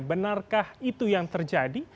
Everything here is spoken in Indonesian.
benarkah itu yang terjadi